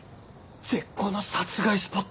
絶好の殺害スポット